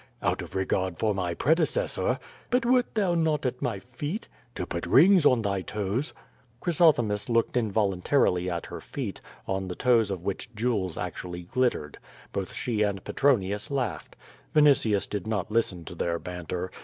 "Out of regard for my predecessor/' "But wert thou not at my feet?" "To put rings on thy toes." Chrysothemis looked involuntarily at her feet, on the toes of which jewels actually glittered. Both she and Petronius laughed. Vinitius did not listen to their banter.